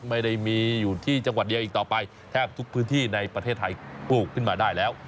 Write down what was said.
ไม่ได้มีอยู่ที่จังหวัดเดียวอีกต่อไปแทบทุกพื้นที่ในประเทศไทยปลูกขึ้นมาได้แล้ว